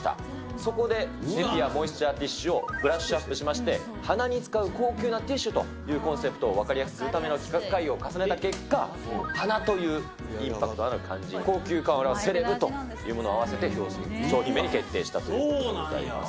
そこでネピアモイスチャーティシュをブラッシュアップしまして、鼻に使う高級なティッシュというコンセプトを分かりやすくするための企画会議を重ねた結果、鼻というインパクトのある漢字に高級感を表すセレブという漢字を合わせて商品名に決定したということでございます。